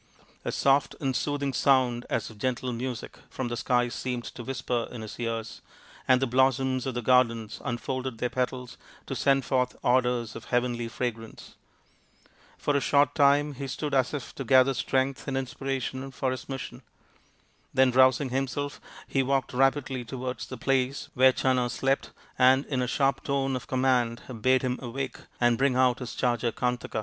A soft and soothing sound as of gentle music from the skies seemed to whisper in his ears, and the blossoms of the garden unfolded their petals to send forth odours of heavenly fragrance. For a short time he stood as if to gather strength and inspiration for his mission. Then, rousing him self, he walked rapidly towards the place where Channa slept and in a sharp tone of command bade him awake and bring out his charger Kantaka.